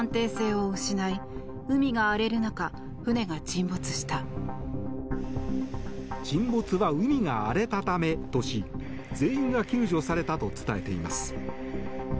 沈没は、海が荒れたためとし全員が救助されたと伝えています。